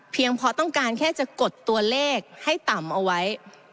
เพราะต้องการแค่จะกดตัวเลขให้ต่ำเอาไว้